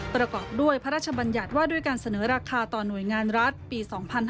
ประกอบด้วยพระราชบัญญัติว่าด้วยการเสนอราคาต่อหน่วยงานรัฐปี๒๕๕๙